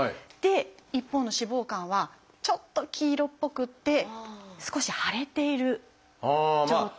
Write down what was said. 一方の脂肪肝はちょっと黄色っぽくて少し腫れている状態。